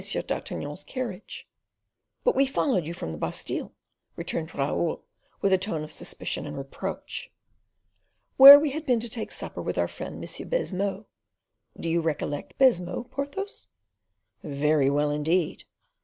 d'Artagnan's carriage." "But we followed you from the Bastile," returned Raoul, with a tone of suspicion and reproach. "Where we had been to take supper with our friend M. Baisemeaux. Do you recollect Baisemeaux, Porthos?" "Very well, indeed."